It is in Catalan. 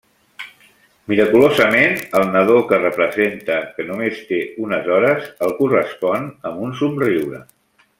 Miraculosament, el nadó -que representa que només té unes hores- el correspon amb un somriure.